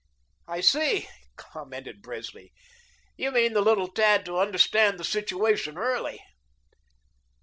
"I see," commented Presley, "you mean the little tad to understand 'the situation' early."